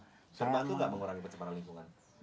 terbantu nggak mengurangi kecepatan lingkungan